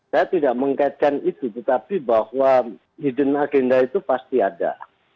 saya tidak mengkaitkan itu tetapi bahwa hidden agenda itu pasti ada